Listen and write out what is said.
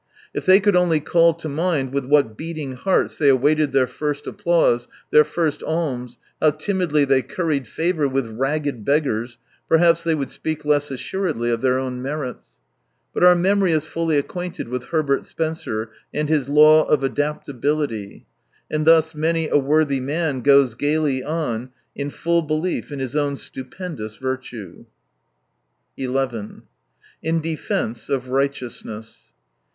If they could only call to mind with what beating hearts they awaited their first applause, their first alms, how timidly they curried favour with ragged beggars, perhaps they would speak less assuredly of their own merits. But our memory is fully acquainted with Herbert Spencer and his law of adaptability, and thus many a worthy man goes gaily on in full belief in his own stupendous virtue. II In defence of righteousness.